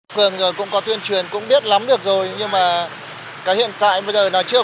phường cũng có tuyên truyền cũng biết lắm được rồi nhưng mà hiện tại bây giờ nó chưa có giải pháp